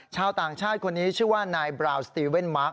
ชาวต่างชาติคนนี้ชื่อว่านายบราวสตีเว่นมาร์ค